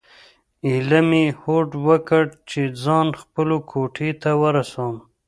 ایله مې هوډ وکړ چې ځان خپلو کوټې ته ورسوم.